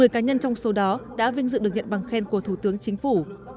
một mươi cá nhân trong số đó đã vinh dự được nhận bằng khen của thủ tướng chính phủ